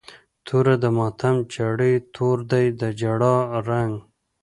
توره د ماتم جړۍ، تور دی د جړا رنګ